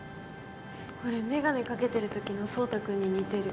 これ眼鏡掛けてるときの壮太君に似てる。